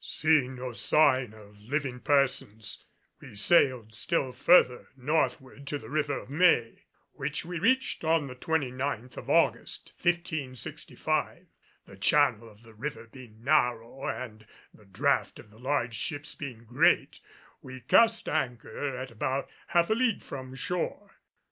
Seeing no sign of living persons we sailed still further northward to the River of May, which we reached on the 29th of August, 1565. The channel of the river being narrow and the draught of the large ships being great, we cast anchor at about half a league from shore.